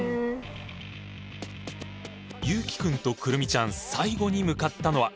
優樹くんと来美ちゃん最後に向かったのは。